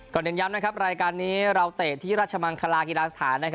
ก่อนเน้นย้ำนะครับรายการนี้เราเตะที่ราชมังคัน